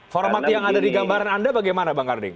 format yang ada di gambaran anda bagaimana bang karding